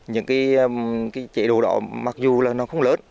những chế độ đó mặc dù không lớn